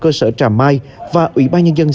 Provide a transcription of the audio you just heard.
cơ sở trà mai và ủy ban nhân dân